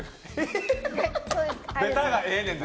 ベタがええねん。